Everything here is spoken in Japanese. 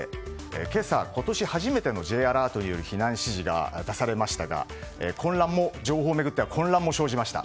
今朝、今年初めてのＪアラートによる避難指示が出されましたが情報を巡っては混乱も生じました。